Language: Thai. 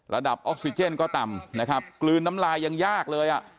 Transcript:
ออกซิเจนก็ต่ำนะครับกลืนน้ำลายยังยากเลยอ่ะ